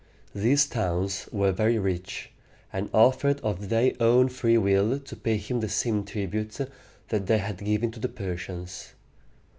These towns were very rich, and offered of their own free will to pay him the same tribute that they had given to the Persians.